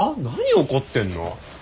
何怒ってんの？